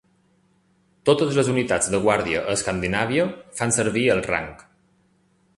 Totes les unitats de guàrdia a Escandinàvia fan servir el rang.